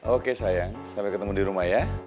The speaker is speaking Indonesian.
oke sayang sampai ketemu dirumah ya